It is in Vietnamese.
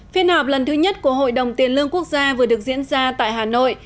phiên họp lần thứ nhất của hội đồng tiền lương quốc gia vừa được diễn ra tại hà nội